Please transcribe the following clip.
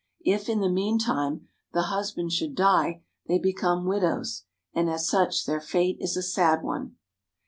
If, in the meantime, the husband should die, they become widows, and as such their fate is a sad one.